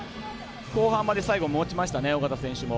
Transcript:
後半までもちましたね。